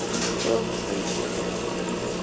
Todos están en Inglaterra.